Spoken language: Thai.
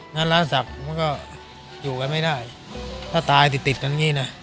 งานร้านศักดิ์เหมือนก็อยู่ไว้ไม่ได้ถ้าตายติดกัน